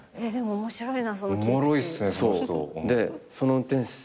面白いな。